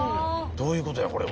どういうことや？